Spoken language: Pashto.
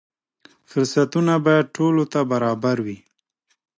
فرصتونه باید ټولو ته برابر وي.